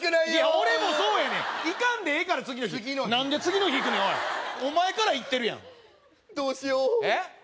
俺もそうやねんいかんでええから次の日次の日何で次の日いくねんおいお前からいってるやんどうしようえっ？